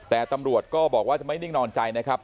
แต่ตำรวจก็บอกว่าจะไม่นิ่งนอนใจนะครับ